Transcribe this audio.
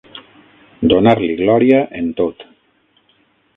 Donar-li glòria en tot.